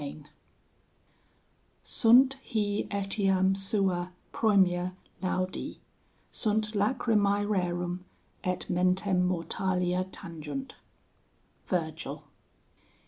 XIII Sunt hie etiam sua proemia laudi, Sunt lachrymae rerum, et mentem mortalia tangunt. VIRGIL.